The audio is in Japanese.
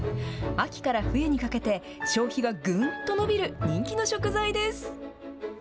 秋から冬にかけて、消費がぐんと伸びる人気の食材です。